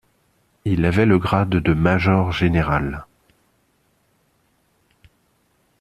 Il avait le grade de major-général.